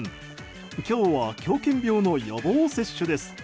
今日は狂犬病の予防接種です。